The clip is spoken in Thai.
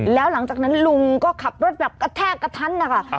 แล้วหลังจากนั้นลุงก็ขับรถแบบกระแทกกระทันนะคะ